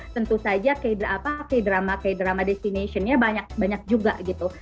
tentu saja k drama k drama destination nya banyak juga gitu